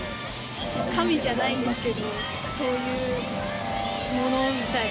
神じゃないですけどそういうものみたいな。